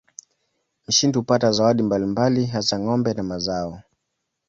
Mshindi hupata zawadi mbalimbali hasa ng'ombe na mazao.